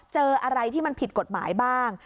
เจออะไรที่มันผิดกฎหมายบ้าง